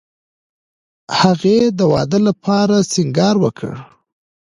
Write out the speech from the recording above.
هغې د واده لپاره سینګار وکړ